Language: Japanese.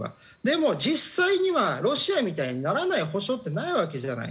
でも実際にはロシアみたいにならない保証ってないわけじゃないですか。